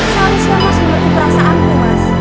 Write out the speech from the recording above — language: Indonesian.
seharusnya mas mengerti perasaanmu